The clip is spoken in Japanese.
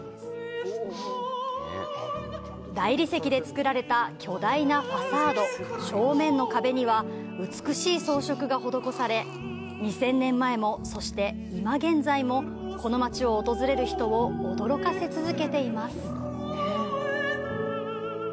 大理石で造られた巨大なファサード、正面の壁には美しい装飾が施され、２０００年前も、そして今現在も、この街を訪れる人を驚かせ続けています。